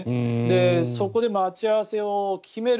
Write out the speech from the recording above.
そこで待ち合わせを決める